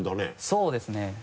そうですね。